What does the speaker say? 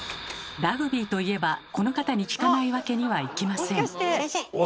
ラグビーといえばこの方に聞かないわけにはいきません。